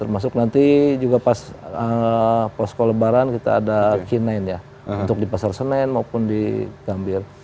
masuk nanti juga pas posko lebaran kita ada q sembilan ya untuk di pasar senen maupun di gambir